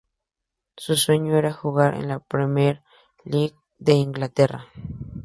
Su sueño era jugar en la Premier League de Inglaterra.